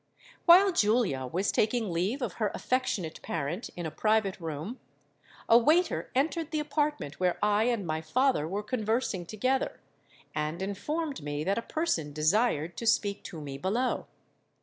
"While Julia was taking leave of her affectionate parent in a private room, a waiter entered the apartment where I and my father were conversing together, and informed me that a person desired to speak to me below.